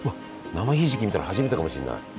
生ひじき見たの初めてかもしんない。